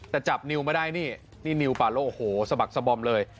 แต่จับนิวมาได้นี่นี่นิวปาโล่โอ้โหสะบักสะบอมเลย